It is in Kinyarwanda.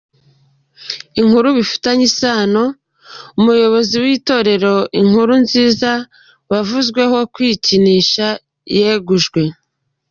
Inkuru bifitanye isano: Umuyobozi w’Itorero Inkuru Nziza wavuzweho kwikinisha yegujwe.